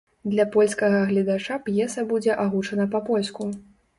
Для польскага гледача п'еса будзе агучана па-польску.